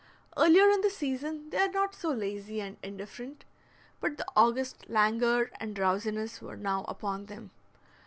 Earlier in the season they are not so lazy and indifferent, but the August languor and drowsiness were now upon them.